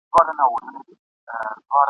په پښتو مي سوګند کړی په انګار کي به درځمه !.